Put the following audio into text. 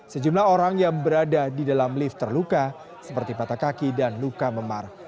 sejumlah orang yang berada di dalam lift terluka seperti patah kaki dan luka memar